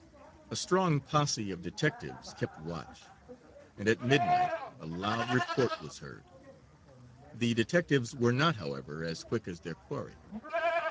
A strong posse of detectives kept watch, and at midnight a loud report was heard. The detectives were not, however, as quick as their quarry.